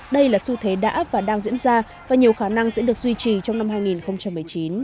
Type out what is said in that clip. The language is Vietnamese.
đây là xu thế đã và đang diễn ra và nhiều khả năng sẽ được duy trì trong năm hai nghìn một mươi chín